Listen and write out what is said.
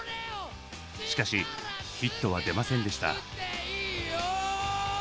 しかしヒットは出ませんでした。